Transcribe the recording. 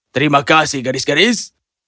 terima kasih gadis gadis